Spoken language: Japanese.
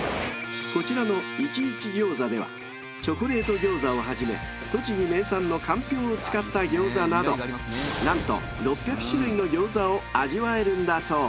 ［こちらのイキイキ・ギョーザではチョコレート餃子をはじめ栃木名産のかんぴょうを使った餃子など何と６００種類の餃子を味わえるんだそう］